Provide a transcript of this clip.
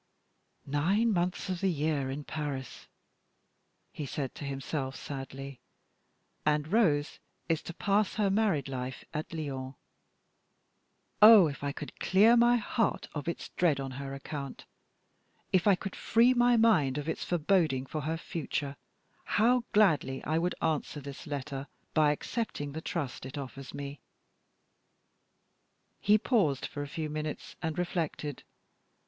"Nine months of the year in Paris," he said to himself, sadly; "and Rose is to pass her married life at Lyons. Oh, if I could clear my heart of its dread on her account if I could free my mind of its forebodings for her future how gladly I would answer this letter by accepting the trust it offers me!" He paused for a few minutes, and reflected.